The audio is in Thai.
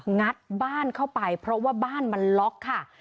งัดบ้านเข้าไปเพราะว่าบ้านมันล็อกค่ะ